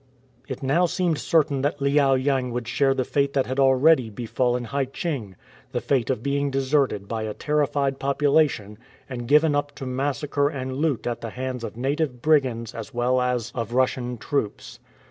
It now seemed certain that Liao yang would share the fate that had already befallen Hai cheng — the fate of being deserted by a terrified population and given up to massacre and loot at the hands of native brigands as well as of Russian troops.